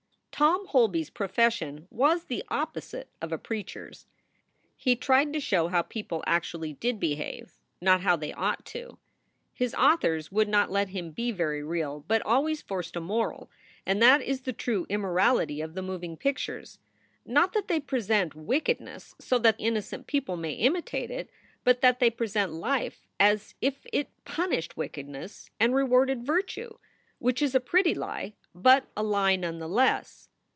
Tom Holby s profession was the opposite of a preacher s. He tried to show how people actually did behave, not how they ought to. His authors would not let him be very real, but always forced a moral, and that is the true immorality of the moving pictures; not that they present wickedness so that innocent people may imitate it, but that they present life as if it punished wickedness and rewarded virtue ; which is a pretty lie, but a lie none the less.